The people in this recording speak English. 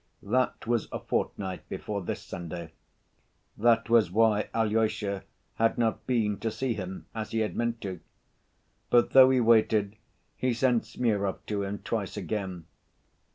That was a fortnight before this Sunday. That was why Alyosha had not been to see him, as he had meant to. But though he waited, he sent Smurov to him twice again.